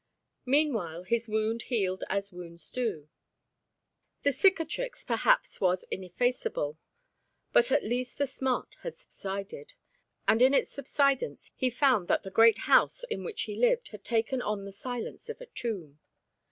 Meanwhile his wound healed as wounds do. The cicatrix perhaps was ineffaceable, but at least the smart had subsided, and in its subsidence he found that the great house in which he lived had taken on the silence of a tomb.